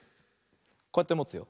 こうやってもつよ。